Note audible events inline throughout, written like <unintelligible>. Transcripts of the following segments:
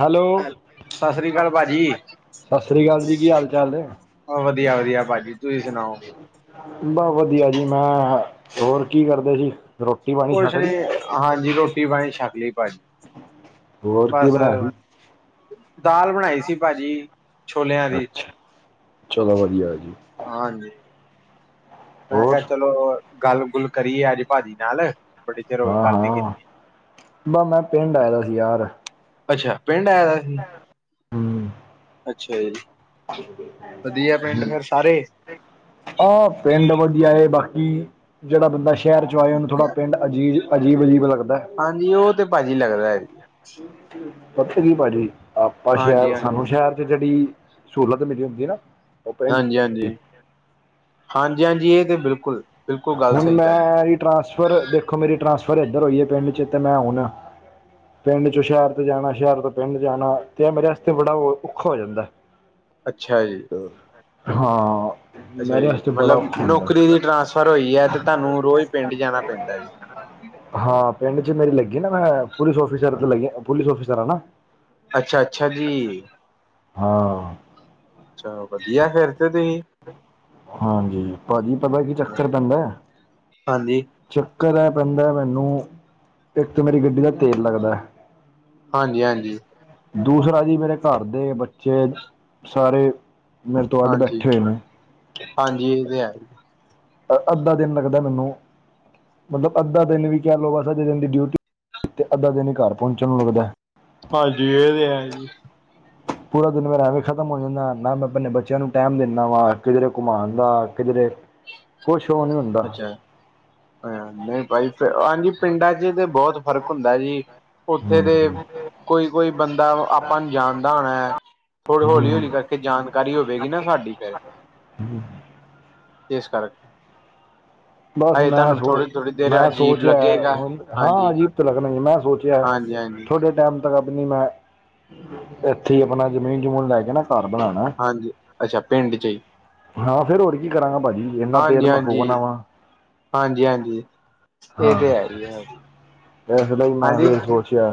Hello, ਹੈਲ ਸਤਿ ਸ੍ਰੀ ਅਕਾਲ ਸਸਰੀ ਕਾਲ ਭਾਜੀ, ਸਸਰੀ ਕਾਲ ਜੀ ਕੀ ਹਾਲ ਚਾਲ ਨੇ ਓ ਵਧੀਆ-ਵਧੀਆ ਭਾਜੀ ਤੁਸੀਂ ਸੁਣਾਓ। ਬੱਸ ਵਧੀਆ ਜੀ ਮੈਂ, ਹੋਰ ਕੀ ਕਰਦੇ ਸੀ। ਰੋਟੀ ਪਾਣੀ ਕੁਛ ਛਕ ਲਈ ਨੀ, ਹਾਂਜੀ ਰੋਟੀ ਪਾਣੀ ਛੱਕ ਲਈ ਭਾਜੀ। ਹੋਰ ਕੀ ਬੱਸ, ਬਣਾਇਆ ਸੀ ਦਾਲ ਬਣਾਈ ਸੀ ਭਾਜੀ, ਛੋਲਿਆਂ ਦੀ। ਅੱਛਾ ਚਲੋ ਵਧੀਆ ਜੀ। ਹਾਂਜੀ, ਮੈਂ ਹੋਰ ਕਿਹਾ ਚਲੋ ਗੱਲ-ਗੁੱਲ ਕਰੀਏ, ਅੱਜ ਭਾਜੀ ਨਾਲ। ਬੜੇ ਚਿਰ ਹੋਏ ਗੱਲ ਨੀ ਹਾਂ-ਹਾਂ ਕੀਤੀ ਬੱਸ ਮੈਂ ਪਿੰਡ ਆਇਆ ਵਾ ਸੀ, ਯਾਰ। ਅੱਛਾ, ਪਿੰਡ ਆਇਆ ਵਾਂ ਸੀ। ਹਮ ਅੱਛਾ ਜੀ, ਵਧੀਆ ਪਿੰਡ ਫਿਰ ਸਾਰੇ। ਆ ਪਿੰਡ ਵਧੀਆ ਏ ਬਾਕੀ, ਜਿਹੜਾ ਬੰਦਾ ਸ਼ਹਿਰ 'ਚੋ' ਆਏ ਉਹਨੂੰ ਥੋੜਾ ਪਿੰਡ ਅਜੀਬ-ਅਜੀਬ, ਅਜੀਬ ਲੱਗਦਾ। ਹਾਂਜੀ, ਉਹ ਤੇ ਭਾਜੀ ਲੱਗਦਾ ਐ। ਪਤਾ ਕੀ ਭਾਜੀ, ਆਪਾਂ ਹਾਂਜੀ ਸ਼ਹਿਰ, ਹਾਂਜੀ ਸਾਨੂੰ ਹਾਂਜੀ ਸ਼ਹਿਰ ਤੇ ਜਿਹੜੀ ਸਹੂਲਤ ਮਿਲੀ ਹੁੰਦੀ ਹੈ ਨਾ। ਪਿੰਡ ਹਾਂਜੀ-ਹਾਂਜੀ, ਹਾਂਜੀ-ਹਾਂਜੀ ਇਹ ਤੇ ਬਿਲਕੁੱਲ। ਹੁਣ ਮੈਂਰੀ ਟ੍ਰਾਂਸਫਰ, ਦੇਖੋ ਮੇਰੀ ਟ੍ਰਾਂਸਫਰ ਇੱਧਰ ਹੋਈ ਐ ਪਿੰਡ 'ਚ' ਤੇ ਮੈਂ ਹੁਣ ਪਿੰਡ 'ਚ' ਸ਼ਹਿਰ ਤੇ ਜਾਣਾ, ਸ਼ਹਿਰ ਤੋਂ ਪਿੰਡ ਜਾਣਾ ਤੇ ਇਹ ਮੇਰੇ ਵਾਸਤੇ ਬੜਾ ਉਹ ਔਖਾ ਹੋ ਜਾਂਦਾ। ਅੱਛਿਆ ਜੀ। ਹਾਂ। ਅੱਛਾ ਮੇਰੇ ਜੀ, ਵਾਸਤੇ ਬੜਾ ਮਤਲਬ ਔਖਾ ਹੁੰਦਾ ਨੌਕਰੀ ਦੀ ਟਰਾਂਸਫਰ ਹੋਈ ਐ ਤੇ ਤੁਹਾਨੂੰ ਰੋਜ਼ ਪਿੰਡ ਜਾਣਾ ਪੈਂਦਾ। ' <inaudible> ਹਾਂ ਪਿੰਡ 'ਚ' ਮੇਰੀ ਲੱਗੀ ਨਾ, ਮੈਂ ਪੁਲਿਸ ਆਫਿਸਰ ਤੇ ਲੱਗੀ, ਪੁਲਿਸ ਆਫਿਸਰ ਆ ਨਾ। ਅੱਛਾ-ਅੱਛਾ ਜੀ। ਹਾਂ। ਚਲੋ ਵਧੀਆ, ਫਿਰ ਤੇ ਤੁਸੀਂ ਹਾਂਜੀ, ਭਾਜੀ ਪਤਾ ਕੀ ਚੱਕਰ ਪੈਂਦਾ ਹਾਂਜੀ। ਚੱਕਰ ਆਏ ਪੈਂਦਾ ਮੈਨੂੰ, ਇੱਕ ਮੇਰੀ ਗੱਡੀ ਦਾ ਤੇਲ ਲੱਗਦਾ ਹਾਂਜੀ-ਹਾਂਜੀ। ਦੂਸਰਾ ਜੀ ਮੇਰੇ ਘਰਦੇ ਬੱਚੇ ਸਾਰੇ ਮੇਰੇ ਤੋਂ ਅੱਡ ਬੈਠੇ ਹੋਏ ਨੇ ਹਾਂਜੀ-ਹਾਂਜੀ ਉਰੇ ਐ। ਅੱਧਾ ਦਿਨ ਲੱਗਦਾ ਮੈਨੂੰ ਮਤਲਬ ਅੱਧਾ ਦਿਨ ਵੀ ਕਹਿ ਲਓ। ਅੱਧੇ ਦਿਨ ਬੱਸ ਦੀ ਡਿਊਟੀ ਤੇ ਅੱਧਾ ਦਿਨ ਹੀ ਘਰ ਪਹੁੰਚਣ ਨੂੰ ਲੱਗਦਾ। ਹਾਂਜੀ, ਇਹ ਤੇ ਹੈ ਜੀ। ਪੂਰਾ ਦਿਨ ਮੇਰਾ ਅਵੇਂ ਖਤਮ ਹੋ ਜਾਂਦਾ, ਨਾ ਮੈਂ ਆਪਣੇ ਬੱਚਿਆਂ ਨੂੰ ਟਾਈਮ ਦੀਨਾ ਵਾ ਕਿਧਰੇ ਘੁੰਮਾਉਣ ਦਾ, ਕਿਧਰੇ ਕੁਛ ਉਹ ਨਹੀਂ ਹੁੰਦਾ ਅੱਛਾ। ਅ ਨਹੀਂ ਬਾਈ, ਹਾਂਜੀ ਪਿੰਡਾਂ 'ਚ' ਤੇ ਬਹੁਤ ਫ਼ਰਕ ਹੁੰਦਾ, ਜੀ। ਉੱਥੇ ਤੇ ਹਮ ਕੋਈ-ਕੋਈ ਬੰਦਾ ਆਪਾਂ ਨੂੰ ਜਾਣਦਾ ਹੋਣਾ। ਹੌਲੀ-ਹੌਲੀ, ਹੌਲੀ ਕਰਕੇ ਜਾਣਕਾਰੀ ਹੋਵੇਗੀ ਨਾ ਸਾਡੀ ਫਿਰ। ਏਸ ਕਾਰਕ ਬੱਸ ਮੈਂ ਸੋਚ, ਥੋੜ੍ਹੀ ਥੋੜ੍ਹੀ ਦੇਰ ਮੈਂ ਅਜੀਬ ਸੋਚ ਆਇਆ, ਲੱਗੇਗਾ ਹਾਂ ਹਾਂਜੀ ਅਜੀਬ ਲੱਗਣਾ, ਮੈਂ ਸੋਚ ਆਇਆ। ਹਾਂਜੀ ਹਾਂਜੀ। ਥੋੜੇ ਟਾਇਮ ਤੱਕ ਆਪਣੀ ਮੈਂ। ਇੱਥੇ ਆਪਣਾ ਜ਼ਮੀਨ‌ ਜਮੂਨ ਲੈ ਕੇ ਨਾ ਘਰ ਬਣਾਣਾ। ਹਾਂਜੀ, ਅੱਛਾ ਪਿੰਡ ਚ ਹੀ। ਹਾਂ ਫੇਰ ਹੋਰ ਕੀ ਕਰਾਂਗਾ ਭਾਜੀ ਇੰਨਾ ਤੇਲ ਹਾਂਜੀ ਹਾਂਜੀ ਫੁਖੋਣਾ ਵਾਂ। ਹਾਂਜੀ ਹਾਂਜੀ। ਇਹ ਤੇ ਹਾਈ ਐ। ਇਸ ਲਈ ਮੈਂ ਫਿਰ ਸੋਚਿਆ।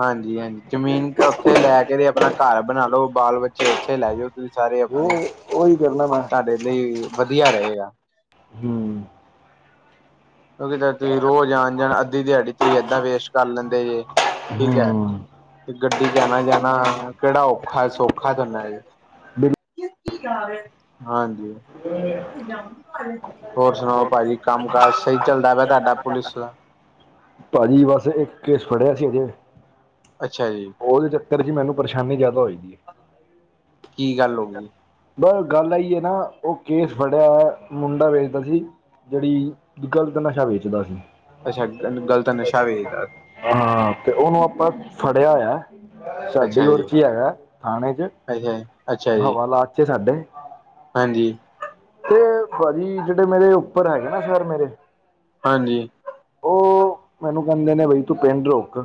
ਹਾਂਜੀ ਹਾਂਜੀ। ਜ਼ਮੀਨ ਉੱਥੇ ਲੈ ਕੇ ਤੇ ਆਪਣਾ ਘਰ ਬਣਾ ਲਓ ਬਾਲ ਬੱਚੇ ਉੱਥੇ ਲੈ ਜੋ। ਤੁਸੀ ਸਾਰੇ ਉਹ ਆਪਣੇ ਉਹੀ ਕਰਨਾ ਮੈਂ ਤੁਹਾਡੇ ਲਈ ਵਧੀਆ ਰਹੇਗਾ। ਹਮ। ਕਿਉਕਿ ਤੁਸੀ ਰੋਜ਼ ਆਣ-ਜਾਣ ਅੱਧੀ ਦਿਹਾੜੀ ਤੁਸੀ ਏਦਾਂ ਵੇਸਟ ਕਰ ਲੈਦੇ ਜੇ ਠੀਕ ਹੂੰ ਏ। ਗੱਡੀ ਚ ਜਾਣਾ ਜਾਣਾ। ਕਿਹੜਾ ਔਖਾ ਸੌਖਾ ਜਾਨੇ ਬਿਲ ਏ। ਹਾਂਜੀ <inaudible> ਹੋਰ ਸੁਣਾਓ ਭਾਜੀ ਕੰਮ ਕਾਜ ਸਹੀ। ਚੱਲਦਾ ਪਿਆ ਤੁਹਾਡਾ ਪੁਲਿਸ ਦਾ ਭਾਜੀ ਬਸ ਇੱਕ ਕੇਸ ਫੜਿਆ ਸੀ ਹਜੇ। ਅੱਛਾ ਜੀ। ਉਹਦੇ ਚੱਕਰ ਚ ਮੈਨੂੰ ਪਰੇਸ਼ਾਨੀ ਜ਼ਿਆਦਾ ਹੋਏ ਦੀ ਏ। ਕੀ ਗੱਲ ਹੋ ਗਈ? ਬਹ ਗੱਲ ਆਈ ਏ ਨਾ, ਉਹ ਕੇਸ ਫੜਿਆ ਏ ਮੁੰਡਾ ਵੇਚਦਾ ਸੀ ਜਿਹੜੀ ਗਲਤ ਨਸ਼ਾ ਵੇਚਦਾ ਸੀ। ਅੱਛਾ। ਗ ਗਲਤ ਨਸ਼ਾ ਵੇਚਦਾ। ਹਾਂ ਤੇ ਉਹਨੂੰ ਆਪਾਂ ਫੜਿਆ ਹੋਇਆ ਸਾਡੀ ਅੱਛਾ ਜੀ ਔਰ ਚ ਥਾਣੇ ਚ। ਅੱਛਾ ਅੱਛਾ। ਹਵਾਲਾਥ ਚ ਸਾਡੇ। ਭੈਣ ਜੀ। ਤੇ ਭਾਜੀ ਜਿਹੜੇ ਮੇਰੇ ਉੱਪਰ ਹੈਗੇ ਨਾ ਸਰ ਮੇਰੇ ਹਾਂਜੀ। ਉਹ ਮੈਨੂੰ ਕਹਿੰਦੇ ਨੇ ਬਈ ਤੂੰ ਪਿੰਡ ਰੁਕ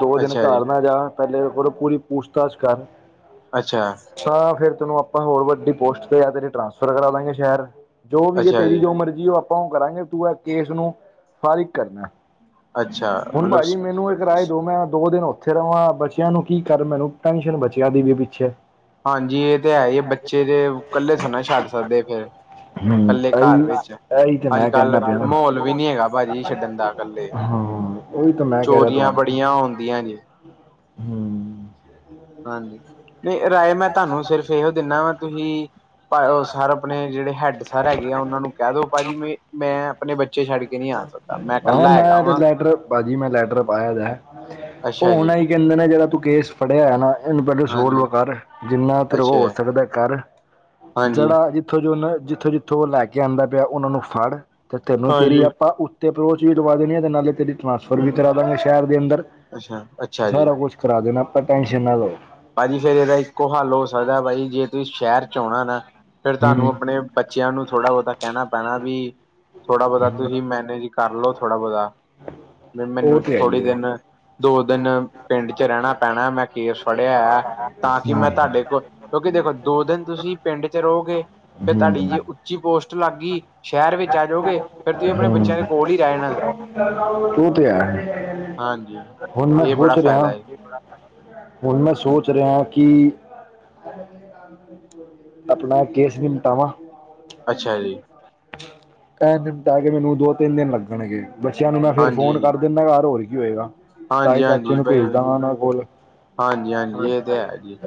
ਦੋ ਦਿਨ ਅੱਛਾ ਜੀ, ਘਰ ਨਾ ਜਾ। ਪਹਿਲੇ ਪੂ ਪੂਰੀ ਪੂਛ-ਤਾਛ ਕਰ। ਅੱਛਾ। ਤਾਂ ਫਿਰ ਤੈਨੂੰ ਆਪਾਂ ਹੋਰ ਵੱਡੀ ਪੋਸਟ ਤੇ ਆ ਤੇਰੇ ਟਰਾਂਸਫਰ ਕਰਾ ਦਿਆਗੇ ਸ਼ਹਿਰ। ਜੋ ਵੀ ਏ ਅੱਛਾ ਤੇਰੀ ਜੀ, ਜੋ ਮਰਜ਼ੀ ਉਹ ਆਪਾਂ ਉਹ ਕਰਾਂਗੇ ਤੂੰ ਕੇਸ ਨੂੰ ਫਾਰਿਕ ਕਰਨਾ। ਅੱਛਾ ਹੁਣ ਮਤਲਬ ਭਾਜੀ ਮੈਨੂੰ ਕਰਾਏ ਦੋ ਮੈਂ ਦੋ ਦਿਨ ਉੱਥੇ ਰਵਾਂ ਬੱਚਿਆਂ ਨੂੰ ਕੀ ਕਰ ਮੈਨੂੰ ਟੈਨਸ਼ਨ ਬੱਚਿਆਂ ਦੀ ਵੀ ਪਿੱਛੇ। <unintelligible> ਹਾਂਜੀ ਇਹ ਤੇ ਹੈ ਹੀ ਹੈ, ਬੱਚੇ ਦੇ ਕੱਲੇ ਥੋੜਾ ਨਾ ਛੱਡ ਸਕਦੇ ਫੇਰ ਹਮ। ਕੱਲੇ ਘਰ ਵਿੱਚ ਇਹੀ ਤੇ ਅੱਜ ਮੈਂ ਕਹਿੰਦਾ ਕੱਲ ਪਿਆ ਮਾਹੌਲ ਵੀ ਵਾ। ਨੀ ਹੈਗਾ ਭਾਜੀ ਛੱਡਣ ਦਾ ਕੱਲੇ ਹਮ ਉਹੀ ਤਾਂ ਮੈਂ ਕਹਿ ਰਿਹਾ ਚੋਰੀਆਂ ਤੁਹਨੂੰ। ਬੜੀਆਂ ਹੁੰਦੀਆਂ ਜੀ ਹਮ ਹਾਂਜੀ, ਨਹੀਂ ਰਾਏ ਮੈਂ ਤੁਹਾਨੂੰ ਸਿਰਫ਼ ਓ ਦੀਣਾ ਵਾ ਤੁਸੀ ਭਾਓ ਸਰ ਆਪਣੇ ਜਿਹੜੇ ਹੈੱਡ ਸਰ ਹੈਗੇ, ਉਹਨਾਂ ਨੂੰ ਕਹਿ ਦੋ ਭਾਜੀ ਮ ਮੈਂ ਆਪਣੇ ਛੱਡ ਕੇ ਨਹੀਂ ਆ ਸਕਦਾ ਮੈਂ ਆਹੋ ਇਕੱਲਾ ਹੈਗਾ ਮੈਂ ਤੇ ਵਾਂ ਲੈਟਰ ਭਾਜੀ ਮੈਂ ਲੈਟਰ ਪਾਇਆਂ ਜਾ ਉਹ ਅੱਛਾ ਜੀ ਹੋਣਾ ਹੀ ਕਹਿੰਦੇ ਨੇ ਜਿਹੜਾ ਤੂੰ ਕੇਸ ਫ਼ੜਿਆ ਏ ਨਾ ਇਹਨੂੰ ਪਹਿਲੇ ਸੋਲਵ ਹਾਂਜੀ ਕਰ ਜਿੰਨਾ ਤੇਰੇ ਹੋ ਅੱਛਾ ਸਕਦਾ ਕਰ ਹਾਂਜੀ ਜਿਹੜਾ ਜ ਜਿੱਥੋਂ ਜੋ ਉਹ ਜਿੱਥੋਂ ਜਿੱਥੋਂ ਉਹ ਲੈ ਕੇ ਆਂਦਾ ਪਿਆ ਉਹਨਾਂ ਨੂੰ ਫੜ੍ਹ ਤੇ ਤੈਨੂੰ ਤੇਰੀ ਹਾਂਜੀ। ਆਪ ਉੱਤੇ ਪਰ ਓ ਚੀਜ਼ ਲਵਾਂ ਦੇਣੀ ਏ ਤੇ ਨਾਲ਼ੇ ਤੇਰੀ ਟ੍ਰਾਂਸਫਰ ਵੀ ਕਰਾ ਸ਼ਹਿਰ ਦੇ ਅੰਦਰ ਅੱਛਾ, ਤੇ ਅੱਛਾ ਜੀ। ਸਾਰਾ ਕੁਛ ਦੇਣਾ ਆਪਾਂ ਟੈਸ਼ਨ ਨਾ ਲਹਿ। ਭਾਜੀ ਫ਼ੇਰ ਇਹਦਾ ਇੱਕੋ ਹੱਲ ਹੋ ਸਕਦਾ। ਬਾਈ ਜੇ ਤੁਸੀਂ ਸ਼ਹਿਰ ਚ ਆਉਣਾ ਨਾ ਫ਼ੇਰ ਹੂੰ ਤੁਹਾਨੂੰ ਆਪਣੇ ਬੱਚਿਆਂ ਨੂੰ ਥੋੜ੍ਹਾ ਬਹੁਤਾ ਕਹਿਣਾ ਪੈਣਾ ਵੀ, ਥੋੜ੍ਹਾ ਬਹੁਤਾ ਹੂੰ ਤੁਸੀਂ ਮੈਨੇਜ ਕਰ ਲੋ ਥੋੜ੍ਹਾ ਬਹੁਤਾ ਉਹ ਮੈਨੂੰ ਤਾਂ ਹੈ ਥੋੜ੍ਹੇ ਹੀ ਹੈ ਦਿਨ ਦੋ ਦਿਨ ਪਿੰਡ ਚ ਰਹਿਣਾ ਪੈਣਾ ਮੈਂ ਕੇਸ ਪੜ੍ਹਿਆ ਹੈ ਤਾਂ ਕਿ ਮੈਂ ਤੁਹਾਡੇ ਕੋਲ਼ ਕਿਉਂਕਿ ਦੇਖੋਂ ਦੋ ਦਿਨ ਤੁਸੀਂ ਪਿੰਡ ਚ ਰਹੋਗੇ ਫ਼ੇਰ ਹੂੰ ਤੁਹਾਡੀ ਜੇ ਹੂੰ ਉੱਚੀ ਪੋਸਟ ਲੱਗੀ ਸ਼ਹਿਰ ਵਿੱਚ ਆ ਜਾਓਗੇ, ਫ਼ੇਰ ਤੁਸੀਂ ਆਪਣੇ ਬੱਚਿਆਂ ਦੇ ਕੋਲ ਹੀ ਰਹਿ ਜਾਣਾ <unintelligible> ਓ ਤੇ ਹੈਂ ਹਾਂਜੀ। ਹੁਣ ਮੈਂ ਇਹ ਬੜਾ ਸੋਚ ਰਿਹਾ ਫਾਇਦਾ ਹੈ ਹੁਣ ਮੈਂ ਸੋਚ ਰਿਹਾ ਕੀ, ਆਪਣਾ ਕੇਸ ਨਿਪਟਾਵਾਂ। ਅੱਛਾ ਜੀ। ਇਹ ਦਿਨ ਬਾਅਦ ਮੈਨੂੰ ਦੋ ਤਿੰਨ ਦਿਨ ਲੱਗਣਗੇ, ਬੱਚਿਆਂ ਨੂੰ ਮੈਂ ਫੇਰ ਫ਼ੋਨ ਹਾਂਜੀ। ਕਰ ਦੇਣਾ ਵਾ <unintelligible> ਹੋਏਗਾ ਤਾਏ ਹਾਂਜੀ ਚਾਚੇ ਹਾਂਜੀ ਨੂੰ ਬ ਭੇਜਦਾ ਵਾਂ ਉਹਨਾਂ ਕੋਲ਼ ਹਾਂਜੀ ਹਾਂਜੀ ਇਹ ਤੇ ਹੈ ਜੀ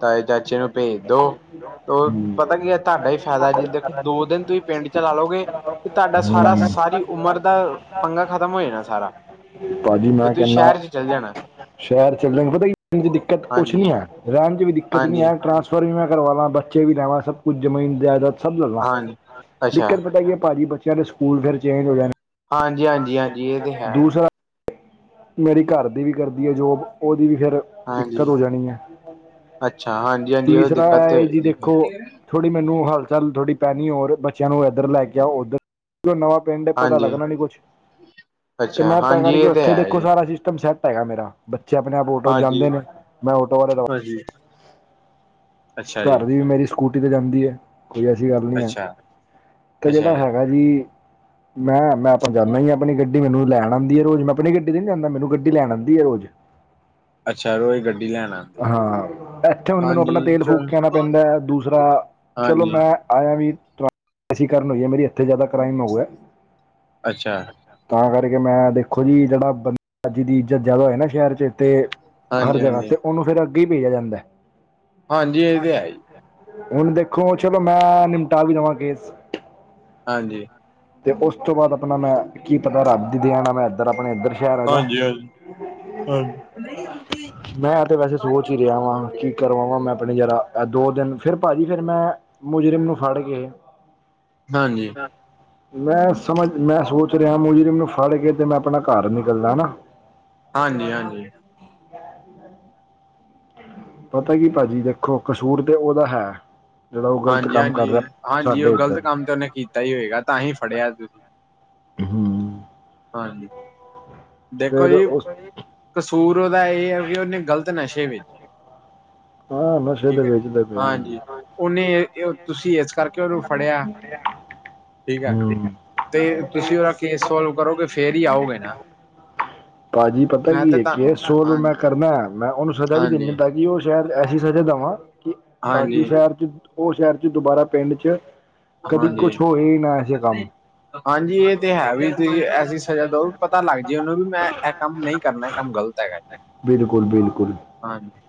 ਤਾਏ ਚਾਚੇ ਨੂੰ ਭੇਜ ਦੋ ਤੇ ਹੂੰ। ਪਤਾ ਕੀ ਹੈ ਤੁਹਾਡਾ ਹੀ ਫ਼ਾਇਦਾ ਜੀ ਦੇਖੋਂ ਦੋ ਦਿਨ ਤੁਹੀਂ ਪਿੰਡ ਚਲਾ ਲਓਗੇ ਤੇ ਤੁਹਾਡਾ ਹੂੰ। ਸਾਰਾ ਸਾਰੀ ਉਮਰ ਦਾ ਪੰਗਾ ਖ਼ਤਮ ਹੋ ਜਾਣਾ ਸਾਰਾ ਭਾਜੀ ਫਿਰ ਮੈਂ ਤੁਸੀਂ ਸ਼ਹਿਰ ਕਹਿੰਦਾ ਚ ਚੱਲ ਜਾਣਾ। ਸ਼ਹਿਰ ਚੱਲਣ <inaudible> ਪਤਾ ਦਿੱਕਤ, ਕੁਛ ਨੀ ਹਾਂਜੀ ਆਇਆ। ਰਹਿਣ 'ਚ ਵੀ ਦਿੱਕਤ ਨਹੀਂ ਆ ਹਾਂਜੀ ਟਰਾਂਸਫਰ ਵੀ ਮੈਂ ਕਰਵਾ ਲਾ ਬੱਚੇ ਵੀ ਲੈ ਆਵਾ, ਸਭ ਕੁਛ ਜ਼ਮੀਨ ਜ਼ਿਆਦਤ ਸਭ ਲੈਲਾ ਹਾਂਜੀ ਅੱਛਾ ਦਿੱਕਤ ਪਤਾ ਕੀ ਹੈ ਭਾਜੀ ਬੱਚਿਆਂ ਦੇ ਸਕੂਲ ਫਿਰ ਚੇਂਜ ਹੋ ਜਾਣੇ ਹਾਂਜੀ- ਹਾਂਜੀ -ਹਾਂਜੀ, ਇਹ ਤੇ ਹੈ। ਦੂਸਰਾ ਮੇਰੀ ਘਰ ਦੀ ਵੀ ਕਰਦੀ ਏ ਜੋਬ ਉਹਦੀ ਵੀ ਫ਼ੇਰ ਦਿੱਕਤ ਹਾਂਜੀ ਹੋ ਜਾਣੀ ਏ। ਅੱਛਾ ਹਾਂਜੀ ਹਾਂਜੀ ਉਹ ਤੀਸਰਾ ਦਿੱਕਤ ਤੇ ਇਹ ਜੀ ਹੋਏਗੀ ਦੇਖੋਂ ਫਿਰ। ਥੋੜ੍ਹੀ ਮੈਨੂੰ ਹਲ-ਚੱਲ ਥੋੜ੍ਹੀ ਪਹਿਨੀ ਔਰ ਬੱਚਿਆਂ ਨੂੰ ਇੱਧਰ ਲੈ ਕੇ ਆਉ ਉੱਧਰ ਨਵਾਂ ਪਿੰਡ ਹੈ ਪਤਾ ਹਾਂਜੀ ਲੱਗਣਾ ਨੀ ਕੁਛ ਤੇ ਅੱਛਾ ਮੈਂ ਪਤਾ ਹਾਂਜੀ ਕਰਕੇ ਇਹ ਤੇ ਉੱਥੇ ਦੇ ਹੈ ਜੀ ਸਿਸਟਮ ਸੈੱਟ ਹੈਗਾ। ਮੇਰਾ ਬੱਚੇ ਆਪਣੇ ਆਪ ਆਟੋ 'ਚ ਹਾਂਜੀ ਜਾਂਦੇ ਨੇ ਮੈਂ ਆਟੋ ਵਾਲੇ ਦਾ ਹਾਂਜੀ। ਅੱਛਾ ਘਰ ਜੀ ਦੀ ਵੀ ਮੇਰੀ ਸਕੂਟੀ ਤੇ ਜਾਂਦੀ ਏ ਕੋਈ ਐਸੀ ਗੱਲ ਨ੍ਹੀਂ ਐ, ਅੱਛਾ ਤੇ ਜਿਹੜਾ ਹੈਗਾ ਜੀ ਮੈਂ-ਮੈਂ, ਤੇ ਜਾਣਾ ਹੀ ਆਪਣੀ ਈ ਗੱਡ ਗੱਡੀ ਮੈਨੂੰ ਲੈਣ ਆਂਦੀ ਏ ਰੋਜ਼ ਆਪਣੀ ਗੱਡੀ ਨੀ ਜਾਂਦਾ। ਮੈਨੂੰ ਗੱਡੀ ਲੈਣ ਆਂਦੀ ਏ ਰੋਜ਼ ਅੱਛਾ ਰੋਜ਼ ਗੱਡੀ ਲੈਣ ਆਉਂਦੇ ਹਾਂ, ਇੱਥੇ ਹੁਣ ਮੈਨੂੰ ਹਾਂਜੀ ਆਪਣਾ ਤੇਲ ਫ਼ੂਕ ਚਲ ਪੈਂਦਾ, ਦੂਸਰਾ ਚਲੋ ਹਾਂਜੀ ਮੈਂ ਆਇਆਂ ਵੀ ਐਸੀ ਕਰਨ ਹੋਈ ਹੈ ਮੇਰੀ ਇੱਥੇ ਜ਼ਿਆਦਾ ਕ੍ਰਾਈਮ ਹੋਊਗਾ ਅੱਛਾ ਤਾਂ ਕਰਕੇ ਮੈਂ ਦੇਖੋਂ ਜੀ ਜਿਹੜਾ ਬੰਦਾ ਅੱਜ ਦੀ ਇੱਜ਼ਤ ਜ਼ਿਆਦਾ ਹੋਏ ਨਾ ਸ਼ਹਿਰ ਚ ਤ ਹਰ ਹਾਂਜੀ ਜਗ੍ਹਾ ਹਾਂਜੀ ਤੇ ਉਹਨੂੰ ਫੇ਼ਰ ਅੱਗੇ ਈ ਭੇਜਿਆਂ ਜਾਂਦਾ। ਹਾਂਜੀ, ਇਹ ਤੇ ਹੈ ਈ ਹੁਣ ਦੇਖੋਂ ਚਲੋ, ਮੈਂ ਨਿਮਟਾ ਵੀ ਲਵਾਂ ਕੇਸ ਹਾਂਜੀ। ਤੇ ਉਸ ਤੋਂ ਬਾਅਦ ਆਪਣਾ ਮੈਂ ਕੀ ਪਤਾ ਰੱਬ ਦੀ ਦਿਆਂ ਨਾ ਮੈਂ ਇੱਧਰ ਆਪਣੇ ਇੱਧਰ ਸ਼ਹਿਰ ਆ ਜਾ ਹਾਂਜੀ-ਹਾਂਜੀ ਹਾਂ ਲਿਆ ਵਾਂ ਕੀ ਕਰਵਾਵਾਂ। ਮੈਂ ਆਪਣੇ ਜ਼ਰਾ ਐ ਦੋ ਦਿਨ, ਫੇਰ ਭਾਜੀ ਫਿਰ ਮੈਂ ਮੁਜਰਿਮ ਨੂੰ ਫੜ ਕੇ ਹਾਂਜੀ। ਮੈਂ ਸਮਝ, ਮੈਂ ਸੋਚ ਰਿਹਾ। ਮੁਜਰਿਮ ਮੈਨੂੰ ਫੜ ਕੇ ਤੇ ਮੈਂ ਆਪਣਾ ਘਰ ਨਿਕਲਦਾ ਹਨਾ। ਹਾਂਜੀ-ਹਾਂਜੀ। ਪਤਾ ਕੀ ਭਾਜੀ, ਦੇਖੋ ਕਸੂਰ ਤੇ ਉਹਦਾ ਹੈ। ਜਿਹੜਾ ਉਹ ਗਲਤ ਕੰਮ ਕਰ ਰਿਹਾ ਹਾਂਜੀ-ਹਾਂਜੀ, ਹਾਂਜੀ ਸਾਡੇ ਉਹ ਗ਼ਲਤ ਇੱਧਰ ਕੰਮ ਤੇ ਉਹਨੇ ਕੀਤਾ ਹੀ ਹੋਏਗਾ ਤਾਂ ਹੀ ਫੜਿਆ ਤੁਸੀ। ਹਮ। ਹਾਂਜੀ। ਦੇਖੋ ਫਿਰ ਜੀ ਉਸ ਕਸੂਰ ਉਹਦਾ ਇਹ ਏ ਵੀ ਉਹਨੇ ਗ਼ਲਤ ਨਸ਼ੇ ਵੇਚੇ। ਹਾਂ ਨਸ਼ੇ ਤੇ ਵੇਚਦਾ ਪਿਆ। ਉਹਨੇ ਤੁਸੀ ਇਸ ਕਰਕੇ ਉਹਨੂੰ ਫੜਿਆ ਠੀਕ ਹੈ ਹਮ ਤੇ ਤੁਸੀਂ ਉਹਦਾ ਕੇਸ ਸੋਲਵ ਕਰੋਗੇ ਫੇਰ ਹੀ ਆਓਗੇ ਨਾ ਭਾਜੀ ਪਤਾ ਮੈਂ ਕੀ ਤੇ ਏ ਤਾਂ ਕੇਸ ਸੋਲਵ ਮੈਂ ਹਾਂਜੀ ਕਰਨਾ ਏ। ਮੈ ਉਹਨੂੰ ਸਜ਼ਾ ਵੀ ਦਿੰਦੀ ਹਾਂਜੀ ਤਾਂ ਕਿ ਉਹ ਸ਼ਹਿਰ ਐਸੀ ਸਜ਼ਾ ਦੇਵਾਂ ਕਿ ਤਾਂ ਕਿ ਹਾਂਜੀ ਸ਼ਹਿਰ ਚ ਉਹ ਸ਼ਹਿਰ ਚ ਦੁਬਾਰਾ ਪਿੰਡ ਚ ਕਦੀ ਹਾਂਜੀ ਕੁਛ ਹੋਏ ਹੀ ਨਾ ਐਸਾ ਕੰਮ। ਹਾਂਜੀ ਇਹ ਤੇ ਏ ਵੀ ਤੁਸੀਂ ਐਸੀ ਸਜ਼ਾ ਦਓ, ਪਤਾ ਲੱਗ ਜੇ ਉਹਨੂੰ ਵੀ ਮੈਂ ਇਹ ਕੰਮ ਨਹੀਂ ਕਰਨਾ ਕੰਮ ਗ਼ਲਤ ਹੈਗਾ। ਬਿਲਕੁਲ-ਬਿਲਕੁਲ। ਹਾਂਜੀ।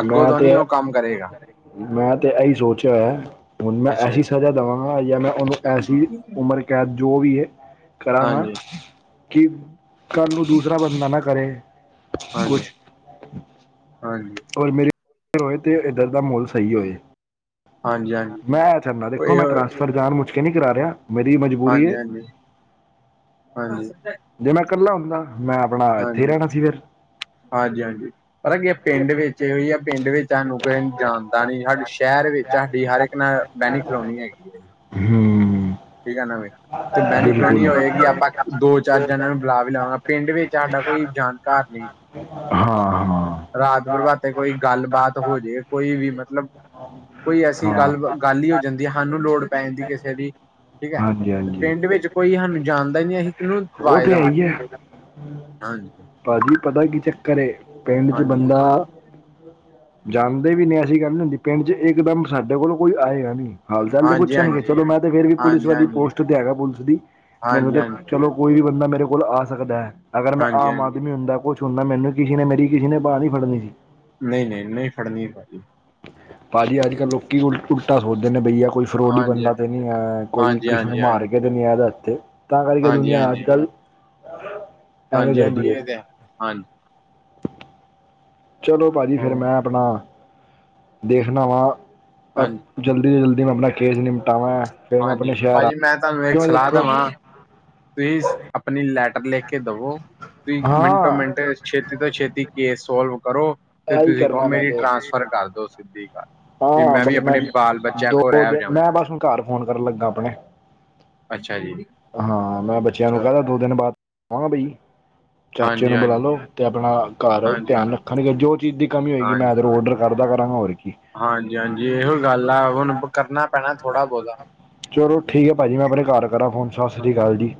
ਅੱਗੋਂ ਮੈਂ ਤੋਂ ਤੇ ਨੀ ਏ, ਉਹ ਕੰਮ ਕਰੇਗਾ ਮੈਂ ਤੇ ਇਹੀ ਸੋਚਿਆ ਹੋਇਆ। ਹੁਣ ਮੈਂ ਅੱਛਾ ਐਸੀ ਜੀ ਸਜ਼ਾ ਦੇਵਾਂਗਾ ਜਾਂ ਮੈਂ ਉਹਨੂੰ ਐਸੀ ਉਮਰ ਕੈਦ ਜੋ ਵੀ ਏ ਕਰਾਂਗਾ। ਹਾਂਜੀ ਕਿ ਕੱਲ ਨੂੰ ਦੂਸਰਾ ਬੰਦਾ ਨਾ ਕਰੇ। ਕੁਛ ਹਾਂਜੀ-ਹਾਂਜੀ। ਔਰ ਮੇਰੇ ਹੋਏ ਤੇ ਇੱਧਰ ਦਾ ਮਾਹੌਲ ਸਹੀ ਹੋਏ। ਹਾਂਜੀ ਹਾਂਜੀ ਮੈਂ ਇਹ ਚੱਲਨਾ ਦੇਖੋ, ਇਹ ਮੈਂ ਟਰਾਂਸਫਰ ਜਾਣ ਮੁਛਕੇ ਨੀ ਕਰਾ ਰਿਹਾ। ਮੇਰੀ ਮਜਬੂਰੀ ਹੈ ਹਾਂਜੀ-ਹਾਂਜੀ, ਹਾਂਜੀ। ਜੇ ਮੈਂ ਇਕੱਲਾ ਹੁੰਦਾ। ਮੈਂ ਆਪਣਾ ਇੱਥੇ ਹੀ ਰਹਿਣਾ ਸੀ ਫਿਰ। ਹਾਂਜੀ-ਹਾਂਜੀ। ਪਤਾ ਕੀ ਆ ਪਿੰਡ ਵਿੱਚ ਇਹ ਹੀ ਆ ਪਿੰਡ ਵਿੱਚ ਸਾਨੂੰ ਜਾਣਦਾ ਨੀ ਸਾਡੇ ਸ਼ਹਿਰ ਤੁਹਾਡੀ ਵਿੱਚ ਸਾਡੀ ਹਰ ਇੱਕ ਨਾਲ ਬੈਨੀ ਖਲੋਣੀ ਹੈਗੀ ਏ। ਹਮ। ਠੀਕ ਏ ਨਾ ਵੀ ਤੇ ਬੈਨੀ ਕਲੋਣੀ ਹੋਏਗੀ। ਆਪਾਂ ਦੋ ਚਾਰ ਜਾਨਾਂ ਨੂੰ ਬੁਲਾ ਵੀ ਲਵਾਗਾ ਪਿੰਡ ਵਿੱਚ ਸਾਡਾ ਕੋਈ ਜਾਣਕਾਰ ਨਹੀਂ। ਰਾਤ ਬਰਭਾਤੇ ਕੋਈ ਗੱਲਬਾਤ ਹੋਜੇ ਕੋਈ ਵੀ ਮਤਲਬ ਕੋਈ ਐਸੀ ਗੱਲ-ਗੱਲ ਹੀ ਹੋ ਜਾਂਦੀ ਏ। ਸਾਨੂੰ ਲੋੜ ਪੈ ਜਾਂਦੀ ਆ ਕਿਸੇ ਦੀ। ਠੀਕ ਏ ਤੇ ਪਿੰਡ ਵਿੱਚ ਕੋਈ ਸਾਨੂੰ ਜਾਣਦਾ ਨੀ ਅਸੀ ਕੀਨੂੰ ਉਹ ਵਾਜ ਤੇ ਹੈ ਦੇਵਾਂ। ਹੀ ਹੈ ਹਾਂਜੀ। ਭਾਜੀ ਪਤਾ ਕੀ ਚੱਕਰ ਏ ਪਿੰਡ ਚ ਹਾਂਜੀ ਬੰਦਾ ਜਾਂਦੇ ਵੀ ਨੀ। ਪਿੰਡ ਚ ਇਕਦਮ ਸਾਡੇ ਕੋਲ ਕੋਈ ਆਏਗਾ ਨੀ। ਹਾਲ-ਚਾਲ ਤੇ ਹਾਂਜੀ ਪੁੱਛਣਗੇ ਹਾਂਜੀ ਚਲੋ ਮੈਂ ਤੇ ਫੇਰ ਵੀ ਪੁਲਿਸ ਹਾਂਜੀ ਵਾਲੀ ਹਾਂਜੀ ਹਾਂਜੀ ਪੋਸਟ ਤੇ ਹੈਗਾ ਪੁਲਿਸ ਦੀ ਮੈਨੂੰ ਤੇ ਹਾਂਜੀ ਚਲੋ ਕੋਈ ਵੀ ਬੰਦਾ ਮੇਰੇ ਕੋਲ ਆ ਸਕਦਾ। ਅਗਰ ਮੈਂ ਹਾਂਜੀ ਆਮ ਹਾਂਜੀ ਆਦਮੀ ਹੁੰਦਾ ਕੋਛ ਸੁਣਨਾ ਮੈਨੂੰ ਕਿਸੇ ਨੇ ਮੇਰੀ ਕਿਸੇ ਨੇ ਬਾਹ ਨੀ ਫੜਨੀ ਸੀ। ਨਹੀਂ-ਨਹੀਂ, ਨਹੀਂ ਫੜਨੀ ਭਾਜੀ। ਭਾਜੀ ਅੱਜ-ਕੱਲ੍ਹ ਲੋਕੀ ਉਲਟਾ ਸੋਚਦੇ ਨੇ ਬਈਆ ਕੋਈ ਫਰੋਡੀ ਹਾਂਜੀ ਬੰਦਾ ਤੇ ਨੀ ਏ। ਕੋਈ ਹਾਂਜੀ ਕਿਸੇ ਨੂੰ ਹਾਂਜੀ ਮਾਰ ਹਾਂਜੀ ਕੇ ਤੇ ਨੀ ਏ। ਇਹਦੇ ਹੱਥੇ ਤਾਂ ਕਰਕੇ ਹਾਂਜੀ ਦੁਨੀਆਂ <unintelligible> ਹਾਂਜੀ-ਹਾਂਜੀ ਕਰਦੀ ਹੈ ਇਹ ਤੇ ਹਾਂਜੀ। ਚਲੋ ਭਾਅ ਜੀ ਫਿਰ ਉਹ ਮੈਂ ਆਪਣਾ ਦੇਖਦਾ ਵਾਂ। ਹਾਂਜੀ ਜਲਦੀ-ਜਲਦੀ ਮੈਂ ਆਪਣਾ ਕੇਸ ਨਿਪਟਾਵਾਂ। ਫਿਰ ਮੈਂ ਆਪਣੇ ਹਾਂਜੀ! ਸ਼ਹਿਰ ਆ ਭਾਜੀ ਮੈਂ ਤੁਹਾਨੂੰ ਇੱਕ ਕਿਉਂ ਸਲਾਹ ਦੇਖੋ ਦਵਾਂ। ਪਲੀਜ਼, ਆਪਣੀ ਲੈਟਰ ਲਿਖ ਕੇ ਦੇਵੋ, ਵੀ ਮਿੰਟੋ ਹਾਂ -ਮਿੰਟ ਛੇ ਛੇਤੀ ਤੋਂ ਛੇਤੀ ਕੇਸ ਸੋਲਵ ਕਰੋ, ਤੇ ਇਹੀ ਤੁਸੀਂ ਕਹੋ ਕਰਨਾ ਮੈਂ ਮੇਰੀ ਤੇ ਟਰਾਂਸਫਰ ਕਰ ਦੋ ਸਿੱਧੀ ਤਰ੍ਹਾਂ ਹਾਂ ਬਸ ਮੈਂ, ਦੋ ਕੁ ਵਜੇ ਮੈਂ ਜਾਵਾਂ ਬਸ ਹੁਣ ਘਰ ਫੋਨ ਕਰਨ ਲੱਗਾ ਆਪਣੇ ਅੱਛਾ ਜੀ। ਹਾਂ ਮੈਂ ਬੱਚਿਆਂ ਨੂੰ ਚਲੋ ਕਹਿੰਦਾ ਦੋ ਦਿਨ ਬਾਅਦ, ਆਵਾਂਗਾ ਬਈ ਚਾਚੇ ਹਾਂਜੀ ਨੂੰ ਬੁਲਾ ਹਾਂਜੀ ਲੋ ਤੇ ਆਪਣਾ ਘਰ ਹਾਂਜੀ ਧਿਆਨ ਰੱਖਣਗੇ ਜੋ ਚੀਜ਼ ਦੀ ਕਮੀ ਹੋਏਗੀ, ਮੈਂ ਹਾਂਜੀ ਅਗਰ ਔਡਰ ਘਰ ਦਾ ਕਰਾ ਹੋਰ ਕੀ, ਹਾਂਜੀ -ਹਾਂਜੀ ਇਹੋ ਹੀ ਗੱਲ ਆ। ਹੁਣ ਕਰਨਾ ਪੈਣਾ ਥੋੜਾ ਬਹੁਤਾ <inaudible> ਚਲੋ ਠੀਕ ਹੈ, ਭਾਅ ਜੀ ਮੈਂ ਆਪਣੇ ਘਰ ਕਰਾਂ ਫੋਨ ਸਸ਼੍ਰੀ ਅਕਾਲ ਜੀ।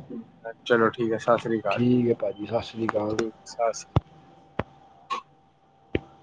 ਚਲੋ ਠੀਕ ਹੈ ਸਸ੍ਰੀ ਅਕਾਲ ਠੀਕ ਹੈ ਭਾਜੀ ਸਤਿ ਸ੍ਰੀ ਅਕਾਲ ਠੀਕ, <inaudible> ਸਸ੍ਰੀ।